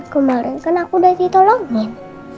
kemaren kan aku udah ditolongin